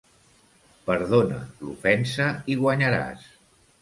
Perdona l'ofensa i guanyaràs.